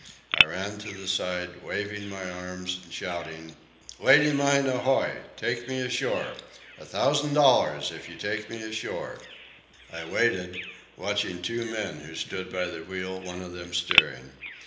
I ran to the side, waving my arms and shouting: "Lady Mine ahoy! Take me ashore! A thousand dollars if you take me ashore!" I waited, watching two men who stood by the wheel, one of them steering.